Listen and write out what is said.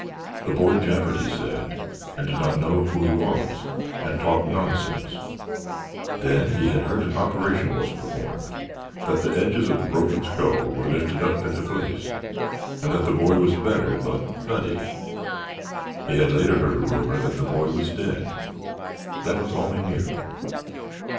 The boy jabbered, he said, and did not know who he was and talked nonsense. Then he had heard that an operation was performed, that the edges of the broken skull were lifted up into place, and that the boy was better but "nutty." He had later heard a rumor that the boy was dead. That was all he knew.